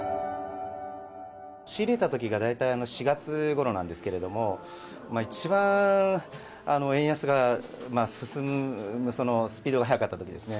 仕入れたときが大体４月ごろなんですけれども、一番円安が進むスピードが速かったときですね。